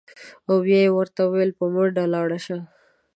او بیا یې ورته ویل: په منډه لاړ شه.